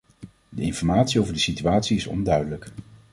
De informatie over de situatie is onduidelijk.